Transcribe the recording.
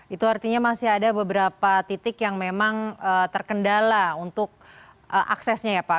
itu artinya masih ada beberapa titik yang memang terkendala untuk aksesnya ya pak